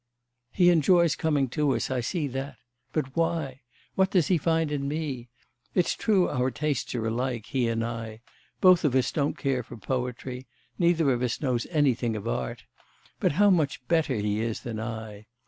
'... He enjoys coming to us, I see that. But why? what does he find in me? It's true our tastes are alike; he and I, both of us don't care for poetry; neither of us knows anything of art. But how much better he is than I!